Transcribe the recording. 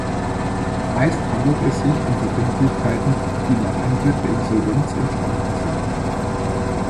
Meist handelt es sich um Verbindlichkeiten, die nach Eintritt der Insolvenz entstanden sind.